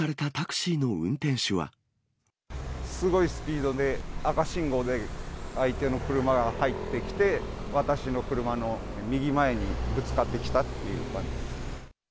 すごいスピードで赤信号で、相手の車が入ってきて、私の車の右前にぶつかってきたっていう感じです。